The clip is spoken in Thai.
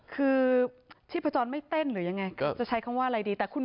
คือชีพจรไม่เต้นหรือยังไงจะใช้คำว่าอะไรดีแต่คุณ